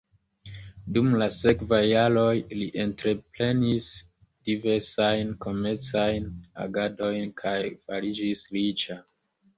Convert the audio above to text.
Dum la sekvaj jaroj li entreprenis diversajn komercajn agadojn kaj fariĝis riĉa.